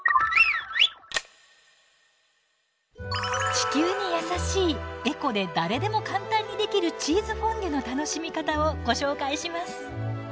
地球にやさしいエコで誰でも簡単にできるチーズフォンデュの楽しみ方をご紹介します。